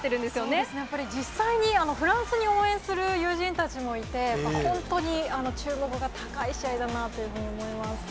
そうですね、やっぱり実際にフランスに応援する友人たちもいて、本当に注目度が高い試合だなというふうに思います。